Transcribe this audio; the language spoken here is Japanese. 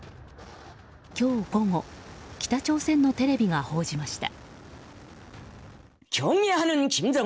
今日午後北朝鮮のテレビが報じました。